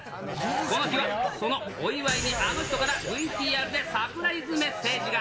この日はそのお祝いにあの人からＶＴＲでサプライズメッセージが。